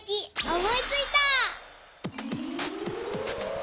おもいついた！